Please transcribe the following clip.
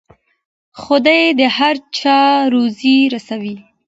خدای د هر چا روزي رسوي.